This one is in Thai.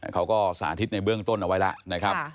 เขาก็สาธิตในเบื้องต้นเอาไว้ล่ะนะครับ